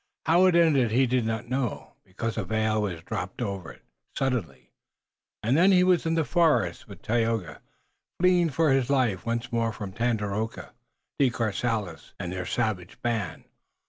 How it ended he did not know, because a veil was dropped over it suddenly, and then he was in the forest with Tayoga, fleeing for his life once more from Tandakora, De Courcelles and their savage band.